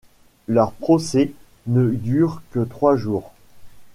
Leur procès ne dure que trois jours.